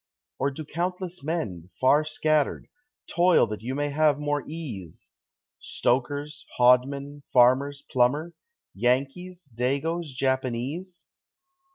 Or do countless men, far scattered, toil that you may have more ease? Stokers, hodmen, farmers, plumbers, Yankees, dagoes, Japanese?